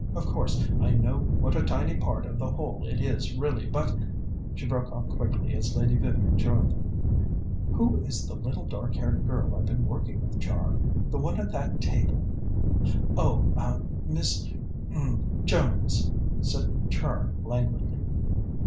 Of course, I know what a tiny part of the whole it is really, but " She broke off quickly as Lady Vivian joined them. "Who is the little dark haired girl I've been working with, Char? The one at that table...." "Oh, a Miss er Jones," said Char languidly.